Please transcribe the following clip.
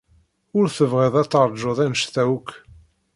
Ur tebɣiḍ ad teṛjuḍ anect-a akk.